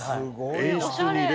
おしゃれ！